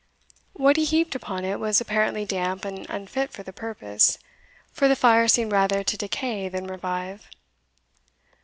What he heaped upon it was apparently damp and unfit for the purpose, for the fire seemed rather to decay than revive.